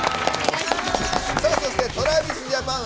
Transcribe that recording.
そしてＴｒａｖｉｓＪａｐａｎ。